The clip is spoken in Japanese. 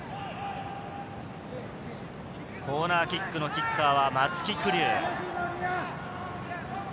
コーナーキックのキッカーは松木玖生。